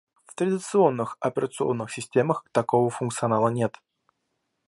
В традиционных операционных системах такого функционала нет